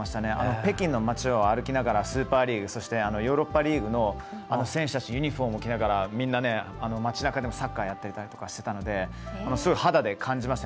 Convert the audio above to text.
北京の町を歩きながらスーパーリーグそして、ヨーロッパリーグの選手たちユニフォームを着ながらみんな町なかでもサッカーやってたりしてたのですごい肌で感じました。